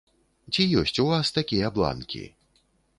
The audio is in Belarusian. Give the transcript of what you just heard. Ці ёсць у вас такія бланкі?